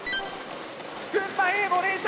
群馬Ａも連射。